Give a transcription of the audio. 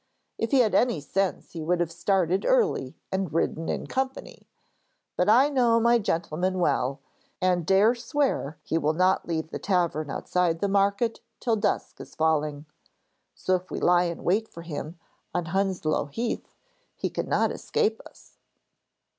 If he had any sense he would have started early and ridden in company, but I know my gentleman well, and dare swear he will not leave the tavern outside the market till dusk is falling. So if we lie in wait for him on Hounslow Heath, he cannot escape us.'